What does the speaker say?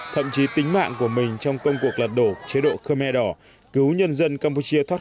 thậm chí tính mạng của mình trong công cuộc lật đổ chế độ khmer đỏ cứu nhân dân campuchia thoát